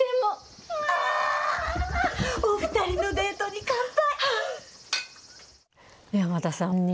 お２人のデートに乾杯。